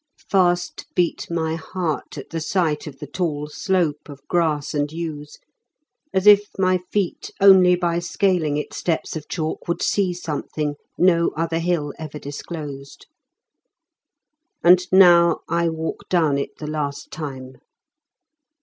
Fast beat My heart at the sight of the tall slope Or grass and yews, as if my feet Only by scaling its steps of chalk Would see something no other hill Ever disclosed. And now I walk Down it the last time.